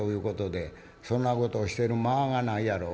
「そんなことをしてる間がないやろ？